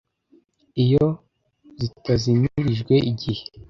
iyo zitazimirijwe igihe